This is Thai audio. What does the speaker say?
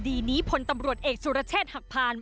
คดีนี้พลตำรวจเอกสุรเชษฐ์หักพาน